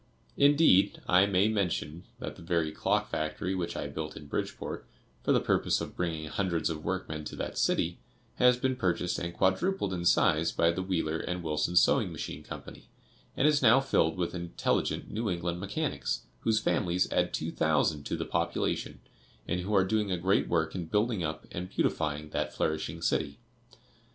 Indeed, I may mention that the very clock factory which I built in Bridgeport, for the purpose of bringing hundreds of workmen to that city, has been purchased and quadrupled in size by the Wheeler and Wilson Sewing Machine Company, and is now filled with intelligent New England mechanics, whose families add two thousand to the population, and who are doing a great work in building up and beautifying that flourishing city.